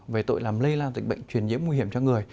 về tội làm lây lan dịch bệnh truyền nhiễm nguy hiểm cho người